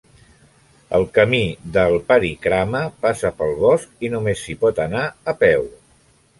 El camí del parikrama passa pel bosc i només s'hi pot anar a peu.